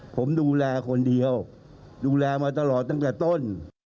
ผมดูแลคนเดียวดูแลมาตลอดตั้งแต่ต้น